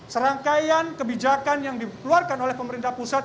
serangkaian kebijakan yang dikeluarkan oleh pemerintah pusat